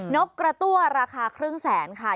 นกกระตั้วราคาครึ่งแสนค่ะ